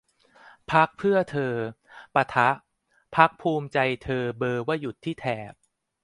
พรรคเพื่อเธอ ปะทะ พรรคภูมิใจเธอ เบอร์ว่าหยุดที่แถบ